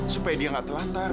supaya dia gak terlantar